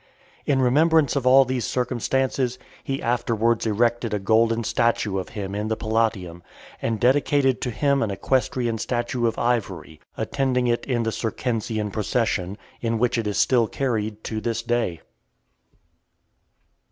In remembrance of all these circumstances, he afterwards erected a golden statue of him in the Palatium, and dedicated to him an equestrian statue of ivory; attending it in the Circensian procession, in which it is still carried to this day.